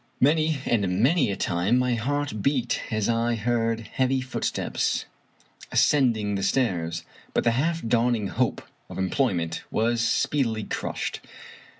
Many and many a time my heart beat as I heard heavy footsteps as cending the stairs, but the half dawning hope of employ ment was speedily crushed.